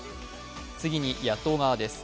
次に野党側です。